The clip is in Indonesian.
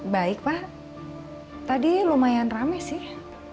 baik pak tadi lumayan rame sih